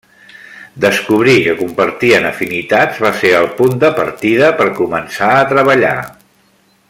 Descobrir que compartien afinitats va ser el punt de partida per començar a treballar.